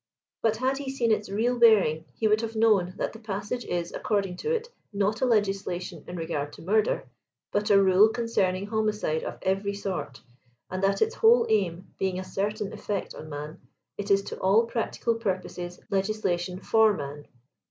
But had he seen its real bearing, he would have known that the passage is, according to it, not a legislation "in regard to murder," but a rule concerning homicide of every sort, and that its whole aim being a certain effect on man, it is to all practical purposes legislation for man.